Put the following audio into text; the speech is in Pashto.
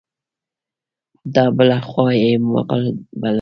دا بله خوا یې مغل بلل.